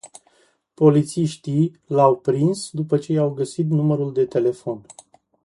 Polițiștii l-au prins după ce i-au găsit numărul de telefon.